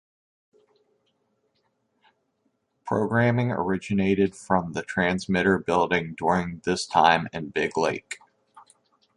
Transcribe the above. Programming originated from the transmitter building during this time in Big Lake.